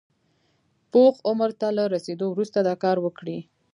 پوخ عمر ته له رسېدو وروسته دا کار وکړي.